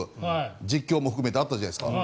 実況も含めてあったじゃないですか。